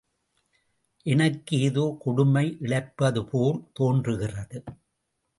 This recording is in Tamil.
எனக்கு ஏதோ கொடுமை இழைப்பதுபோல் தோன்றுகிறது.